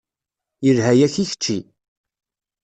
Yelha-yak i kečči.